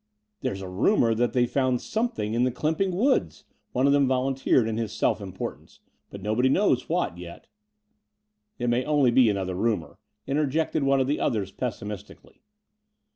''There's a rumour that they've found some thing in the Clymping Woods," one of them volun teered in his self importance; "but nobody knows what yet." "It may only be another rumour," interjected one of the others pessimistically.